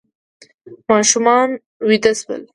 ماشومان ویده شول.